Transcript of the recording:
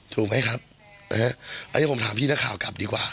ถูกไหมครับนะฮะอันนี้ผมถามพี่นักข่าวกลับดีกว่า